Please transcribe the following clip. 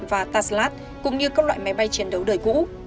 và taslat cũng như các loại máy bay chiến đấu đời cũ